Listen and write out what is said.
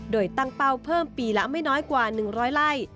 โดยตั้งเป้าเพิ่มปีละไม่น้อยกว่า๑๐๐ไร่